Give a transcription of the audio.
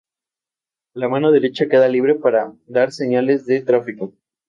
La mano derecha queda libre para dar señales de tráfico.